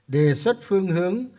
đề xuất phương hướng